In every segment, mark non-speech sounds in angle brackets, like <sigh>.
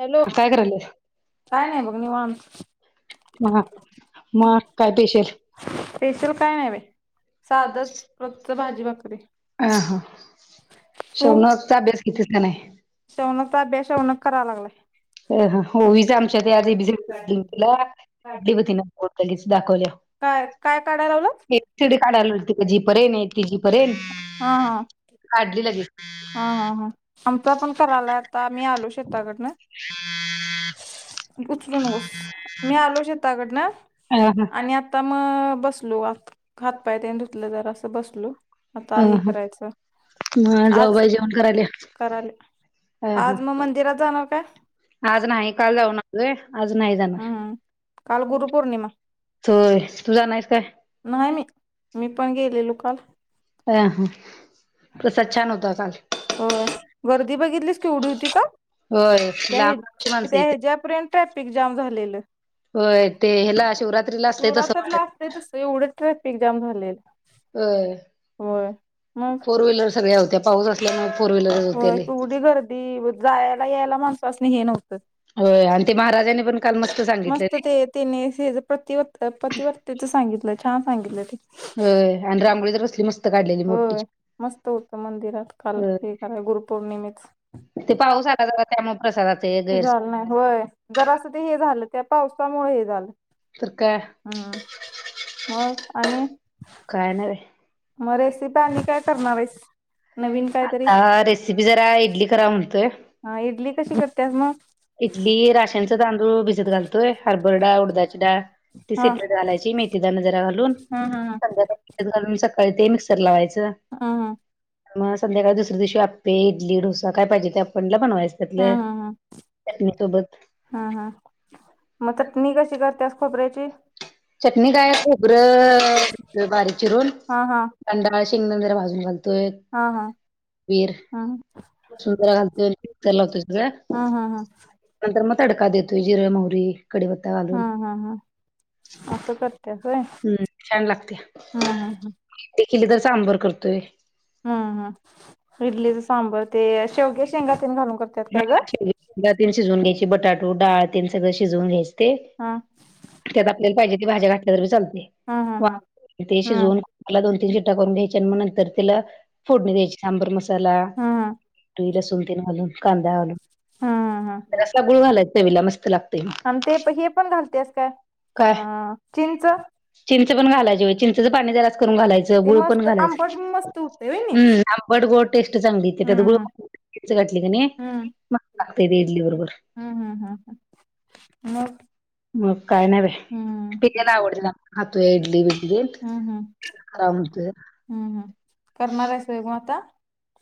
Hello! काय करायलीस? काय नाही बघ निवांत. हा का मग काय स्पेशल? स्पेशल काय नाही बाई. <unintelligible> साधच रोजच भाजी भाकरी शवनाकचा अभ्यास. घेतीस का नाही? शवनकचा अभ्यास शवनाक कराय लागलाय. हो आमच्या त्या <unintelligible> दाखवल्याव काय काय काढाय लावलास हे चडी काढायला लालते. <unintelligible> पर्यन हा हा काढली लगेच हा हा हा आमचा पण करायलाय आता आम्ही आलोय शेताकडनं. <inaudible> उचलू नकोस मी आलो शेताकडन, अ हा आणि आता मगं बसलो आत. खात पाय तेन धूतल जरा असं बसलो, अ आता हे हा करायचं मग आज जाऊबाई जेवण करायला या. कराले, आज मग मंदिरात जाणार काय? आज नाही काल जाऊन आलोय आज नाही जाणार. हम्म काल गुरुपौर्णिमा होय तु जाणारयस काय? नाही मी पण <inaudible> गेलेलो काल <unintelligible> प्रसाद छान होता काल. होय गर्दी बघितलीस कीवढी होती काल? होय त्या लांबची माणसं त्या येतात. ह्याच्यापर्यंत ट्रॅफिक जाम झालेलं. होय, ते ह्याला शिवरात्रीला असतंय तसं <unintelligible> लागतय तसं एवढं ट्रॅफिक जाम झालेलं. होय होय मग फोर व्हीलर सगळ्या होत्या. पाऊस असल्यामुळं फोर व्हीलर होत्या लय. जायाला यायला माणसासनी हे नव्हतं. होय आणि ते महाराजांनी पण काल मस्त झा मस्त ते तिने ह्याज प्रतिव प्रतिवत्तेच सांगितलं छान सांगितलं ते. होय आणि रांगोळी तर कसली मस्त काढलेली होय मोठीच्या, मस्त होतं मंदिरात काल होय हे गुरुपौर्णिमेच ते पाऊस आला जरा त्यामुळे प्रसादाच हे गैर झालं नाही होय? जरास ते हे झालं त्या पावसामुळे हे झालं. तर काय हम् मग आणि. काय नाही‌ मग बाई रेसिपी आणि काय करणार आहेस? नवीन कायतरी आता रेसिपी रेसिपी जरा इडली कराव म्हणतोय. हा इडली कशी करत्यात मग? इडली राशनच तांदूळ भिजत घालतोय. हरभरा डाळ, उडदाची डाळ. ती हा. सेपरेट घालायची मेथी दान जरा घालून. हा हा त्यात सकाळी ते मिक्सर ला लावायचं. हा हा मग संध्याकाळी दुसऱ्या दिवशी आपपे, इडली, डोसा काय पाहिजे ते आपणला बनवायच हा त्यातले. हा चटणी सोबत हा हा हा ‌. मग चटणी कशी करतेस खोबर्याची? चटणी काय खोबरं बारीक चिरून हा हा शिंगदाणे जरा भाजुन घालतोय. हा हा हा <unintelligible> हम हम हम. नंतर मग तडका देतोय जिरे, मोहरी कडी - हा हा हा असं करतीयास होय. हम्म छान हम्म लागतीया हम्म हम्म इडली केली तर सांबर करतोय. हम् हम् इडलीचे सांबर ते शेवगेच्या शेंगा ते घालून करतात काय ग? डाळ तेन शिजवून घ्यायची बटाटू डाळ तेन सगळं शिजवून घ्यायचे. हा ते त्यात आपल्याला पाहिजे भाज्या घातल्या तरी हा हा हा चालतय हम्म शिजवून. तेला दोन तीन शिट्टा करून घ्यायची आणि मग नंतर तिला फोडणी द्यायची. सांबर मसाला हम्म हम्म लसूूनतेन घालून कांदा घालून. हम्म हम्म जरासं गुळ घालायच चवीला मस्त लागतय. मग आणि ते प हे पण घालतेस काय अ काय चिंच? चिंच पण घालायची, चिंचचं पाणी जरास करून घालायचं ते गुळ पण मस्त घालायचं आंबट मस्त होतंय व्हयनी हम्. आंबट गोड टेस्ट चांगलीे येते त्यात गुळ हम्म <unintelligible> घातली कनी हम्म मस्त लागतेय ते इडली बरोबर. हम्म हम् हम् ह मग. मग काय नाही‌ हम्म बाई <unintelligible> आवडती या खातोय इडली बिडली. हम्म हम्म काय ‌म्हणतय.? हम्म हम्म करणार आहेस‌ व्हय गं आता?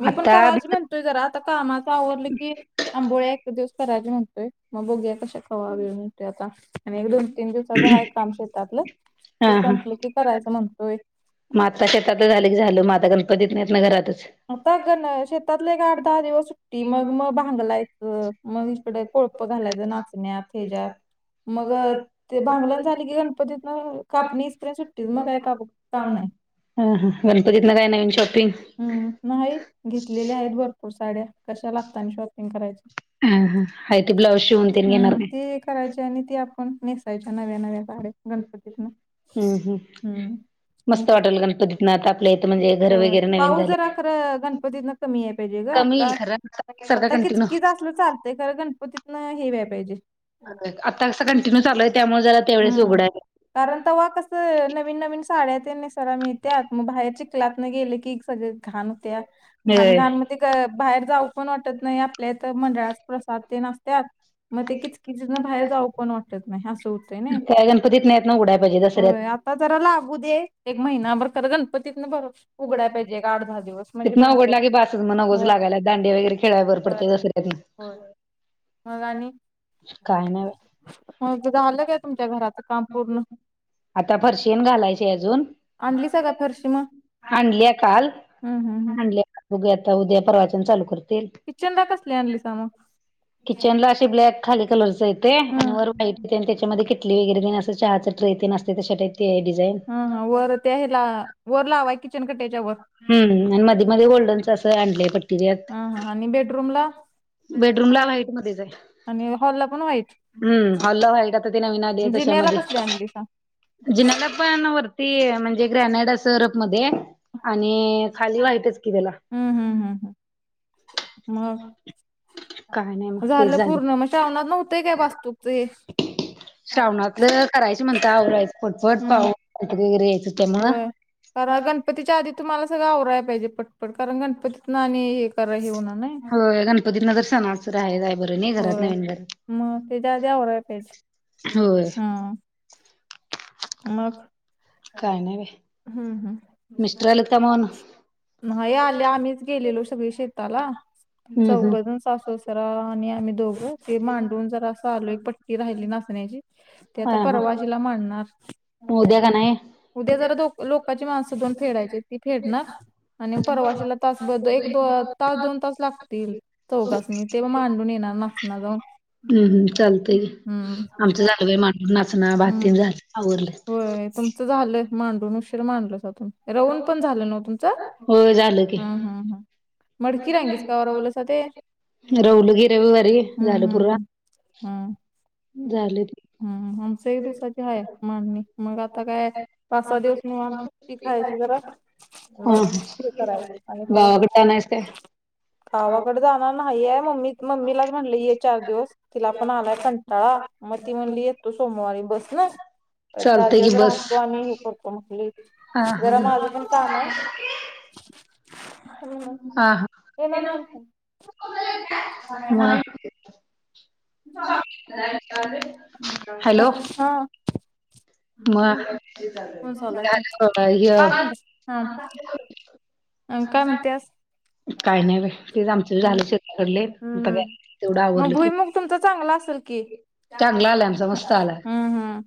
मी पण आता करायच म्हणतोय जरा, आता कामाच आवडलं की आंबोळ्या एक दिवस करायच्या म्हणतोय मग बगुया कशा वेळ‌ मिळतोय आता. आणि एक, दोन, तीन दिवसाच हा एक काम ते संपलं करायचं म्हणतोय. माता शेतात झाले की झाल म आता गणपतीत हेतनी घरातच. आता गण शेतातले एक आठ, दहा दिवस सुट्टी मग ‌ म‌ भांगलायचं. मग हकडे कोळप घालायचं नाचण्यात हेच्यात मग ते भांगलण झाली की गणपतीतेन कापणी येईपर्यंत सुट्टीच मग काय काप काम नाही? हा हा गणपतीतन काय नवीन शॉपिंग? हम्म नाही घेतलेल्या आहेत भरपूर साड्या कशाला शॉपिंग करायच्या. हा हा हाय ते ब्लाऊज शिवून तेन घेणार हम्म काय ते करायचे आणि ते आपण नेसायच्या नव्या नव्या. साड्या गणपतीत न हम्म. मस्त वाटल गणपतीत न आपल्या म्हणेज घर होय वगैरे नाही- पाऊस जरा अ खरं गणपतीन कमी याय पाहिजे ग कमी येईल आता खरं सारखा आता किच कंटिन्यू कीच असलं चाल- तय खंर गणपतीतन हे व्हायाय पाहिजे. आता कसं कंटिन्यू चालू आहे त्यामुळे जरा तेवढच हम्म उघडा आहे. कारण तेव्हा कस नवीन नवीन साड्यातेन नेसायला मिळत्यात मग बाहेर चिकलात ना गेले की, सगळे घाण होत्या, घाण होय घाण म ते बाहेर जाऊ पण वाटतं नाही आपल्या इथं मंडळाच प्रसाद ते असत्यात मग ते किच किं बाहेर जाऊ पण वाटतं नाही. नाही हास होतंय. नाही काय गणपतीत नाही ना उड्या पाहिजे होय जसं्यात <inaudible> आता जरा लागू दे एक महिनाभर खरं गणपतीत ना पर उघडाय पाहिजे एक आठ दहा दिवस. म्हणजे तिथन भागल उघडला की बासच मग नगोज होय लागयला दांडे वगैरे खेळाय भर होय पडतेय दसऱ्यात होय मग आणी काय नाही बाई ह ते झालं काय तुमच्या घरात. आता फर्शी तेन घालायचे अजून. आणलीसा का फरशी मग आणली काल हम्म हम्म हम्म आणल्या का उघ्या आता उद्या परवाचन चालू करतील. किचनदा कसली आणली सा मग किचन ला अशी ब्लॅक खाली कलरच येते आणि हम्म वर व्हाईट आणि त्याच्यामध्ये किटली वगैरे दि असं चहाचं ट्रेतीन असते त्या ते डिझईन. हा हा वर त्या हेला वर लावाय किचन कट्याच्या वर हम्म न म मध्ये गोल्डन असं एंटीक पट्टी. ह हां आणि बेडरूम ला? बेडरुम ला लाईटमध्ये येतंय. आणि हॉलला पण व्हाईट हम्म हाॅल लाख व्हाईट आता ती नवीन आली आहे जिन्याला तशामध्ये. कसली आणली सांग जिनाकपान वरती म्हणजे ग्रॅनेडा अंस रफ मध्ये आणि खाली व्हाईट ची तेला. हम्म हम्म हम्म हम्म मग काय नाही मग ते झालं, पूर्ण मग श्रावणात नव्हतंय काय वास्तूकचं हे श्रावणातलं करायच म्हणता आवरायचं पटपट हम्म पाह <unintelligible> वगैरे यायचं तेव्हा. होय कारण गणपतीच्या आधी तुम्हाला सगळं आवराय पाहिजे पटपट कारण गणपतीत आणी एक- हो गणपती न <unintelligible> राह जायच बरं नाही घरात होय नवीन घर मग त्याच्या आधी आवरायला पाहिजे होय. हा मग काय नाही हम्म हम्म मिस्टर आल्यात का नाही मग. नाही आले आम्हीच गेलेलो सगळे शेताला. हम्म हम्म चौघजण सासूसासरा आणि आम्ही दोघो ते मांडून जरा असं आलो एक पट्टी राहिली नासण्याची. ते आता परवा <unintelligible> ऊद्या का नाही आहे. उद्या जरा लोकांची माणसं दोन फेडायचे ती फेडणार आणि परवाशला तासब एक दो- तास दोन तास लागतील चौघासनी तेव मांडून येणार नाफना जाऊन. हम्म् चालतंय की हम्म आमचा झालं बाई मांडू नाचण हम्म भाती झालं आवरलं. होय तुम्हच झालं मांडून उशीर मांडलासा तुम्ही रोहुन पण झालं ना तुमचं? हो झालं की. हम्म हम्म मडकी रांगीस का बलासा ते हम्म रवलं की रविवारी झालं हम्म पुरा हम् हम् झालं की हम्म आम एक दिवसाची ह- <inaudible> ''हं''मग आता काय पाच सहा दिवस न आम सुट्टी खायची जरा. मग हा, हे करायचं आणि परत गावाकडे जानार हाय काय? गावाकडे जाणार नाहीय मम्मी मम्मीलाच म्हटलं ये चार दिवस. तिला पण आलाय कंटाळा मग ती म्हणली येतो सोमवारी बस न. चार चालतंय दिवस की बस राहतो आणि हे करतो म्हगली हा हा जरा माझं पण काम आहे. हा हा <unintelligible> म्हटलं. <inaudible> हॅलो अच्छा. मग तर फोन चालू आहे झालं बाबा ह्य पाच मिनट हा, अणी काय म्हनतेस. हा काय नाही बाई तेच आमचं हम् झालं शेताकडले आता हम्, काय तेवढं मग आवरलं की भुईमूग तुमचा चांगला असेल? की चांगला आलाय आमचा हम्म मस्त आलाय हम्म,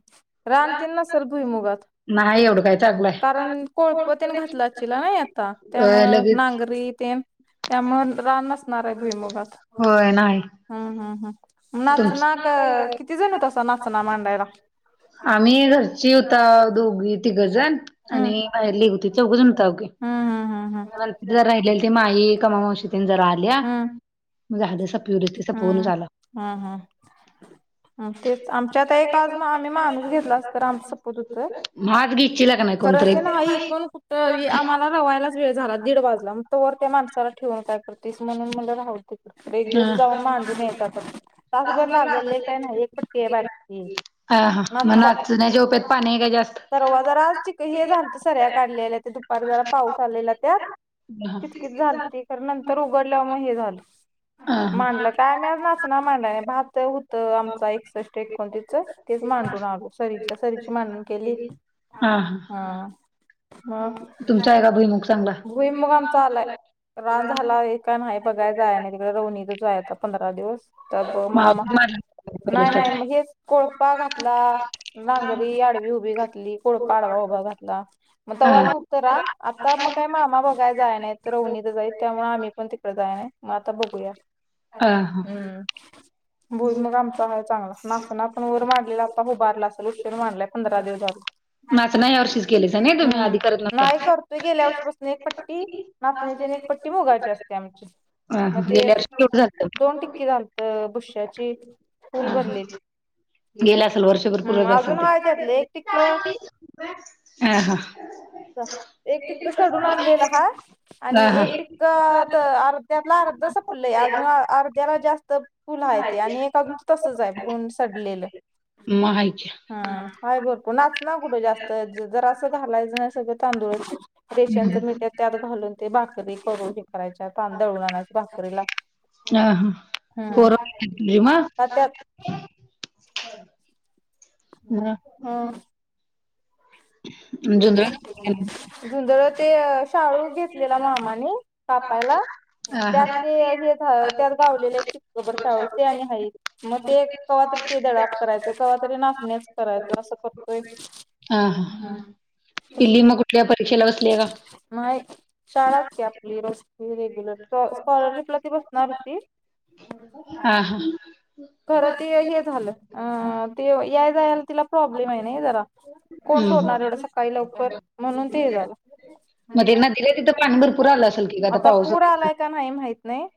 रानतील नासल भुई मुगत. नाही ओढ काय. चांगला आहे कारण कोळपतेन घातला चिला नाही आता अ त्यामुळ लगेच नांगरी तेन. त्यामुळ रान नसणार आहे भुईमुगात. होय नाही. हा हा हा, तुमच नाचण्या क किती जण होत अस नाचना मांडायला. आम्ही घरची होता दोघी तिघजण. हम्म आणि बाहेर एक होती चौघच जन होताव हम. हम्म हम्म हम्म ज राहिलेली ती माई कमा मावशी जरा आल्या. हम्म झाल ते संपवुन झालं संपून चाललाव. हो <inaudible> आम्हच्याकत एखाद आम्ही माणूस घेतला अस तर आमच सपत होत. आज घेचीला का नाही खरंच ना नाहीई कोण कुठं ए कोणतरी आम्हाला. रवायच वेळ झाला दीड वाजला मग तो वर त्या माणसाला ठेवून काय करतेस म्हणून म्हणलं राहवते. एक दिवस जाऊ मांज यायचं आता. तासभर लागल लय काही नाही एक पटक आहे बार ना त, तण्याच्या ओव्यात पाणी हाय का जास्त. तरवा जरा आज चिक हे झात सऱ्या काढलेल्या ते दुपार जरा पाऊस आलेला त्यात. हा कितकित झाल खरं नंतर उघडल्या म हे झालं. हा मांडलं काय मी नाचना मांडला नाही भात होतं आमचा एकसष्ट एकोणतीसच. तेच मांडून आलो सरीच्या सरीची मांडण केली हा, तुमच्या हाय काय भूईमूग. भुईमूग आमचा आलाय. रान झाला आहे का नाही बघायच आहे नाही तिकडे रोवनीतच आहे आता पंधरा दिवस. तर ब मामा <inaudible> नाही नाही मग हेच कोळपा घातला स्टार्टला नांगरी आडवी उभी. बी घातली कोळपा आडवा उभा घातला. मग तेव्हा नव्हतं रान आता मग काय मामा बघाय जायय नाही रवणीतच हाई त्यामुळे आम्ही पण तिकडे जाय नाही. मग आता बघूया हा हा हम्म, भूईमूग आमचा आहे चांगला नाचणा पण वर मांडलेला उभारला असलं उशीर मडलाय पंधरा दिवस. ह नाचना ह्या वर्षीच केलीसा नाही तुम्ही हम्म, आधी करत नसा. नाही करतोय गेल्या वर्षीपासून एक पट्टी. नाचण्याची एक पट्टी मुगाची असते आमची हा हा मग ते. गेल्या वर्षी केवढं झालतं? दोन टिक्की झालत बुश्याची फूल भरलेली. गेला असेल वर्षभर पुरत असेल अजून ते हाय त्यातलं एक टिक्क अ ह. जा एक टिक्क सडून आणलेलं हा. आणि हा. एक टिक्क तर अर्ध्यातलं अर्ध संपलंय अजून अर्ध्याला जास्त फुल म आहे हाय ते आणि एक अजून तसंच आहे, गुण सडलेलं. म हाय की या. हम आहे भरपूर नाचन कुठे जास्त जरास घालायचं सगळं तांदुळच रेशनचं मिळत्यात त्यात घालून ते भाकरी करू हे करायच्या दळून आणायच भाकरीला. <inaudible> <unintelligible> ह पोरं <unintelligible> हम्म त्यात हम्म झुंजळ <unintelligible> ते शाळू घेतलेला मामांनी, कापायला हा त्यात ते हे त्यात घावलेल्या <unintelligible> शाळू हा. ते आणि हाईत मग ते नॉलेज कवातरी दडप दळा करायचं. कव्हा तरी नाचण्याच करायचं असं करतोय. आ हा ह पिल्ली मग कुठल्या परीक्षेला बसलीय का? नाय शाळाच की आपली रोज रेग्युलर स्कॉलरशिपला ती बसणार होती आ हा <inaudible> खरं ते हे झालं अ ते याया जायला तिला प्रॉब्लेम आहे ना जरा. कोण सोडणार हम्म एवढ्या सकाळी लवकर म्हणून ते हे झालं. मग त्यांना दिले तिथं पाणी भरपूर आलं असेल की ग आता पाऊस पूर होता आलाय का नाही, माहित नाही.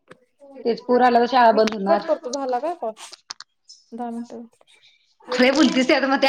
तेच पूर आला तर शाळा मी बंद कट होणार करतो झाला, का कॉल दहा मिनिटं. खरे बोलतीस ते <unintelligible>